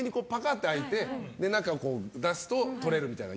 ッて開いて中を出すと、取れるみたいな。